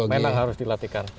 memang harus dilatihkan